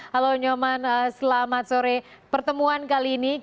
halo nyoman selamat sore pertemuan kali ini